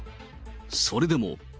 それでも。